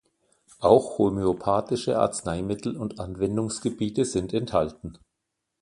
Auch homöopathische Arzneimittel und Anwendungsgebiete sind enthalten.